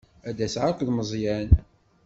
Ad d-aseɣ akked Meẓyan.